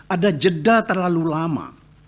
ada jeda terlalu lama